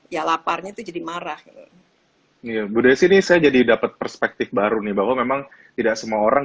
ya laparnya itu jadi marah iya bu desi ini saya jadi dapat perspektif baru nih bahwa memang tidak semua orang